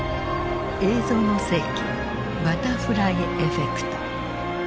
「映像の世紀バタフライエフェクト」。